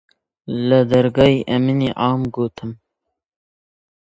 لە دەرگای ئەمنی عام گوتم: